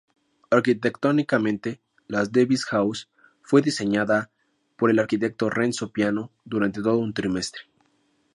Arquitectónicamente, la debis-Haus fue diseñada por el arquitecto Renzo Piano durante todo un trimestre.